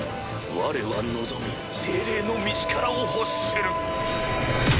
われは望み精霊の御力を欲する。